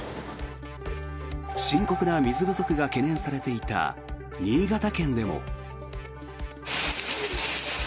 深刻な水不足が懸念されていた新潟県でも。